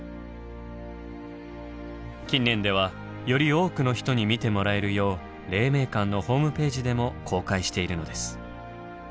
近年ではより多くの人に見てもらえるよう黎明館のホームページでも公開しているのです。